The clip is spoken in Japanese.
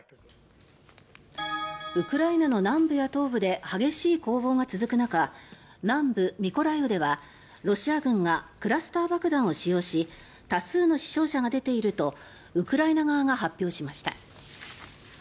ウクライナの南部や東部で激しい攻防が続く中南部ミコライウではロシア軍がクラスター爆弾を使用し多数の死傷者が出ているとウクライナ側が発表しました。